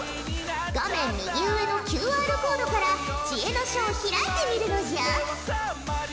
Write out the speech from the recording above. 画面右上のＱＲコードから知恵の書を開いてみるのじゃ。